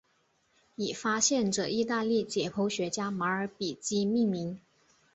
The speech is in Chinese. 以发现者意大利解剖学家马尔比基命名。